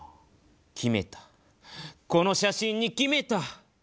決めたこの写真に決めた。